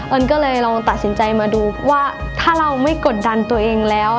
ก็เลยลองตัดสินใจมาดูเพราะว่าถ้าเราไม่กดดันตัวเองแล้ว